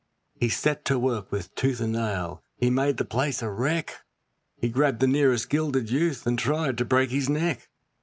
He set to work with tooth and nail, he made the place a wreck; He grabbed the nearest gilded youth, and tried to break his neck.